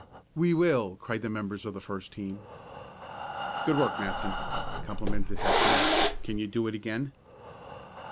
"We will!" cried the members of the first team. "Good work, Matson," complimented Hatfield. "Can you do it again?"